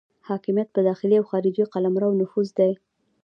حاکمیت په داخلي او خارجي قلمرو نفوذ دی.